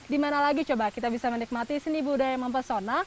dimana lagi coba kita bisa menikmati seni budaya mempesona